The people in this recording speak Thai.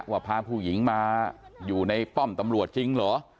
พาผู้หญิงมาอยู่ในป้อมตำรวจจริงเหรอ